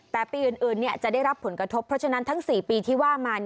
แต่ปีอื่นจะได้รับผลกระทบเพราะฉะนั้นทั้ง๔ปีที่ว่ามา